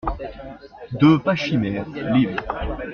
deux Pachymère, liv.